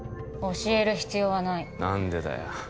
教える必要はない何でだよ